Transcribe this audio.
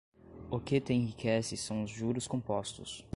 O que te enriquece são os juros compostos